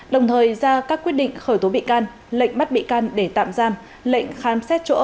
đồng thời ra các quyết định khởi tố bị can lệnh bắt bị can để tạm giam lệnh khám xét chỗ